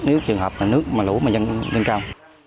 nếu trường học là nước mà lũ mà dăng lên cao